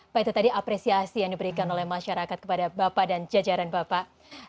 pak itu tadi apresiasi yang diberikan oleh masyarakat kepada bapak dan jajaran bapak